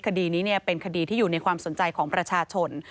คดีนี้เป็นคดีที่อยู่ในความสนใจของประชาชน